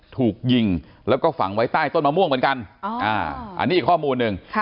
ถูกยิงแล้วก็ฝังไว้ใต้ต้นมะม่วงเหมือนกันอันนี้อีกข้อมูลหนึ่ง